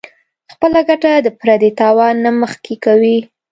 خپله ګټه د پردي تاوان نه مخکې کوي -